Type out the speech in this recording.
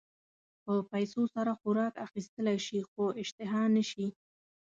په پیسو سره خوراک اخيستلی شې خو اشتها نه شې.